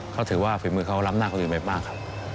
เขาถือว่าฝีมือเขาล้ำหน้าคนอื่นไปมากครับ